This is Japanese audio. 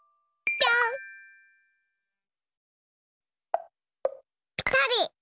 ぴたり！